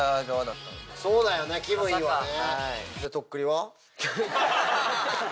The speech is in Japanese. そうだよね気分いいよね。